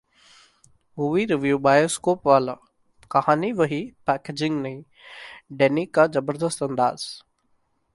Movie Review Bioscopewala: कहानी वही, packaging नयी, डैनी का जबरदस्त अंदाज